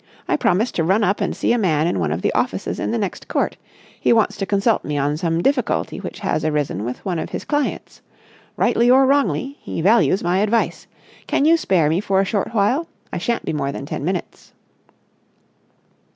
I promised to run up and see a man in one of the offices in the next court. He wants to consult me on some difficulty which has arisen with one of his clients. Rightly or wrongly he values my advice. Can you spare me for a short while? I shan't be more than ten minutes."